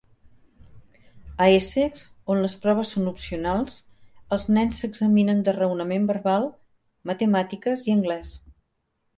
A Essex, on les proves són opcionals, els nens s'examinen de Raonament Verbal, Matemàtiques i Anglès.